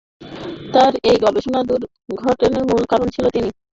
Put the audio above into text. তার এই গবেষণা-দুর্ঘটের মূল কারণ ছিলো তিনি তথ্যের সাথে বিপুল কল্পনা মিশিয়ে ছিলেন।